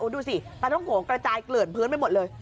ดูสิปลาท้องโกะกระจายเกลื่อนพื้นไปหมดเลย